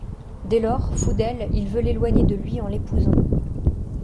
Dès lors, fou d'elle, il veut l'éloigner de lui en l'épousant.